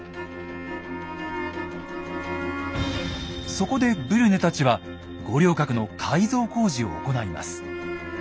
そこでブリュネたちは五稜郭の改造工事を行います。